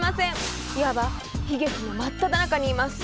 いわば悲劇の真っただ中にいます。